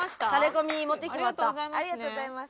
ありがとうございます。